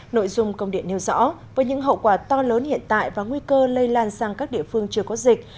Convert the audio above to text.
nội dung công điện nêu rõ với những hậu quả to lớn hiện tại và nguy cơ lây lan sang các địa phương chưa có dịch